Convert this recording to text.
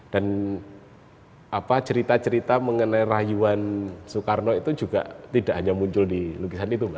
dan cerita cerita mengenai rayuan soekarno itu juga tidak hanya muncul di lukisan itu